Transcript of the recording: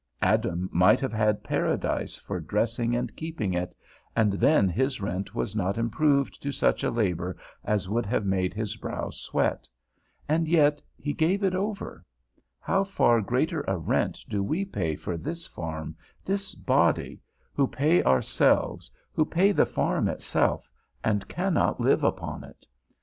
Adam might have had Paradise for dressing and keeping it; and then his rent was not improved to such a labour as would have made his brow sweat; and yet he gave it over; how far greater a rent do we pay for this farm, this body, who pay ourselves, who pay the farm itself, and cannot live upon it!